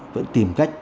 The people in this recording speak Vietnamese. vẫn tìm cách